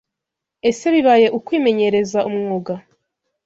Ese bibaye ukwimenyereza umwuga,